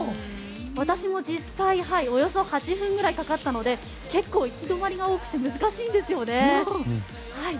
私も実際およそ８分くらいかかったので結構、行き止まりが多くて難しいんですね。